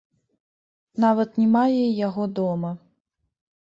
Нават не мае яго дома.